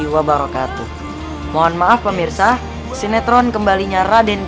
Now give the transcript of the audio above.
waktu indonesia bagian barat